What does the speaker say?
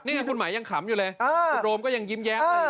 นี่คุณหมายยังขำอยู่เลยคุณโรมก็ยังยิ้มแย้ม